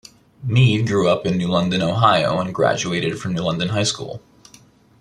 Meade grew up in New London, Ohio, and graduated from New London High School.